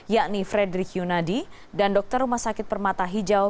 yakni frederick yunadi dan dokter rumah sakit permata hijau